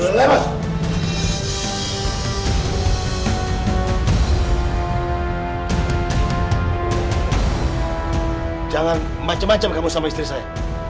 jangan macem macem kamu sama istri saya